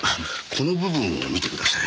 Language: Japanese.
この部分を見てください。